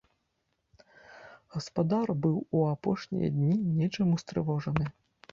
Гаспадар быў у апошнія дні нечым устрывожаны.